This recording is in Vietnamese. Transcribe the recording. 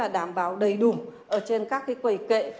đảm bảo đầy đủ trên các quầy kệ